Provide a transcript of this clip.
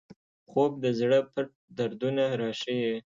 خوب د زړه پټ دردونه راښيي